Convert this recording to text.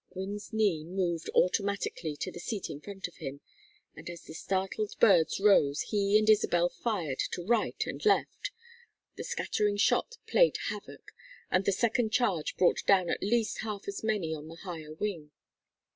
Gwynne's knee moved automatically to the seat in front of him, and as the startled birds rose he and Isabel fired to right and left. The scattering shot played havoc, and the second charge brought down at least half as many on the higher wing.